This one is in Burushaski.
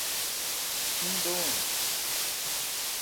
hin doon